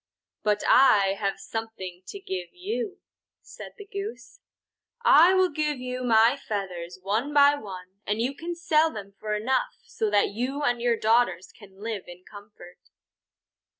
"But I have something to give you," said the Goose. "I will give my feathers, one by one, and you can sell them for enough so that you and your daughters can live in comfort."